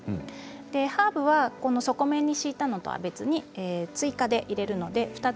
ハーブは底面に敷いたのとは別に追加で入れますのでふた